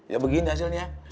ya begini hasilnya